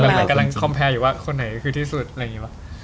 กำลังคอมแพร่อยู่ว่าคนไหนคือที่สุดอะไรอย่างงี้หรอ